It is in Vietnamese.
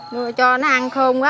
nó cho nó ăn khôn quá